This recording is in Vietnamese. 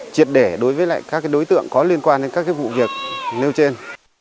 triệt để đối với các đối tượng có liên quan đến các vụ việc nêu trên